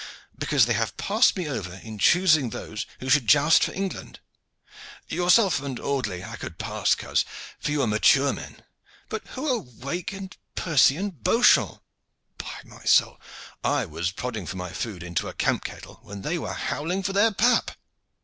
"Because they have passed me over in choosing those who should joust for England. Yourself and Audley I could pass, coz, for you are mature men; but who are Wake, and Percy, and Beauchamp? By my soul! I was prodding for my food into a camp kettle when they were howling for their pap.